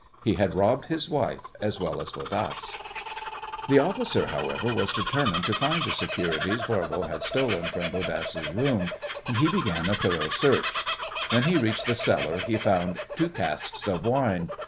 He had robbed his wife as well as Bodasse. The officer, however, was determined to find the securities Voirbo had stolen from Bodasse's room, and he began a thorough search. When he reached the cellar he found two casks of wine.